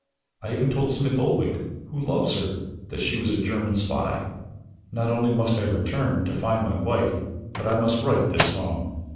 I even told Smith Oldwick, who loves her, that she was a German spy. "Not only must I return to find my wife but I must right this wrong."